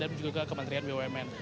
dan juga kementerian bumn